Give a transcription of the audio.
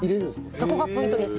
そこがポイントです。